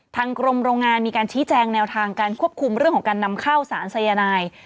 ทางกรมโรงงานมีการชี้แจงแนวทางการควบคุมเรื่องของการนำเข้าสารสายนาย